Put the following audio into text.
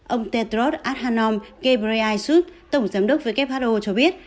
ông tedros adhanom ghebreyesus tổng giám đốc who cho biết